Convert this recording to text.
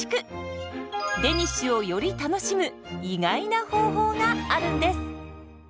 デニッシュをより楽しむ意外な方法があるんです。